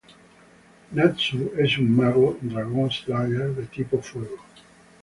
Natsu es un mago "Dragón Slayer" de tipo fuego.